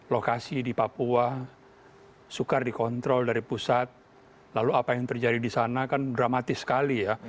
lokasi di papua sukar dikontrol dari pusat lalu apa yang terjadi di sana kan dramatis sekali ya